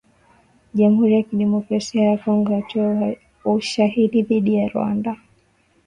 Jamhuri ya Kidemokrasia ya kongo yatoa ushahidi dhidi ya Rwanda.